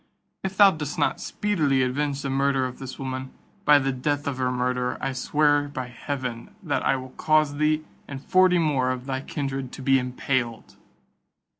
If thou dost not speedily avenge the murder of this woman, by the death of her murderer, I swear by heaven, that I will cause thee and forty more of thy kindred to be impaled."